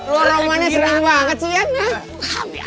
lu romannya sering banget sih iya gak